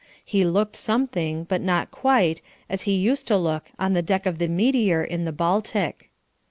He looked something, but not quite, as he used to look on the deck of the Meteor in the Baltic.